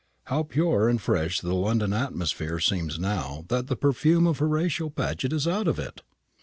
How pure and fresh the London atmosphere seems now that the perfume of Horatio Paget is out of it!